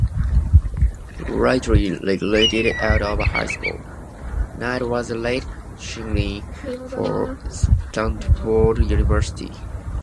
Lightly recruited out of high school, Knight was a late signee for Stanford University.